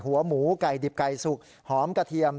หัวหมูไก่ดิบไก่สุกหอมกระเทียม